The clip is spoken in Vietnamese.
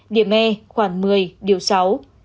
điểm e khoảng một mươi điều sáu